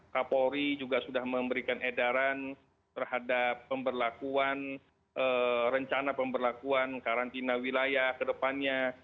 kapolri juga sudah memberikan edaran terhadap pemberlakuan rencana pemberlakuan karantina wilayah ke depannya